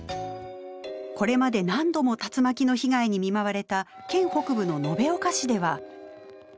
これまで何度も竜巻の被害に見舞われた県北部の延岡市では。